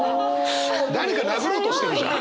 誰か殴ろうとしてるじゃん。